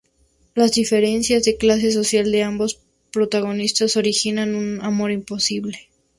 Las diferencias de clase social de ambos protagonistas originan un amor imposible.